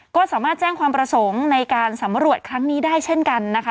ก็สามารถแจ้งความประสงค์ในการสำรวจครั้งนี้ได้เช่นกันนะคะ